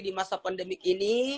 di masa pandemik ini